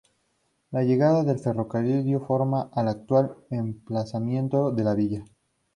La llegada del ferrocarril dio forma al actual emplazamiento de la villa.